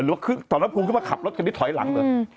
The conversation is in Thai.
หรือว่าสารพระภูมิขึ้นมาขับรถคันนี้ถอยหลังเลย